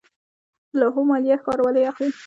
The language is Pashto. د لوحو مالیه ښاروالۍ اخلي